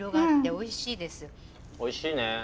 おいしい。